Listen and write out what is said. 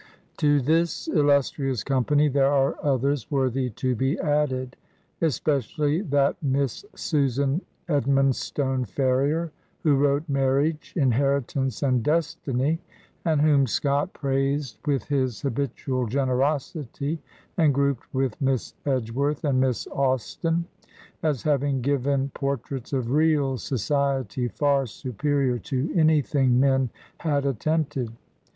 To this illustrious company there are others worthy to be added, especially that Miss Susan Edmondstone Ferrier, who wrote "Marriage," ''Inheritance," and "Destiny," and whom Scott praised with his habitual generosity, and grouped with Miss Edgeworth and Miss Austen, as having "given por traits of real society far superior to anything " men had attempted.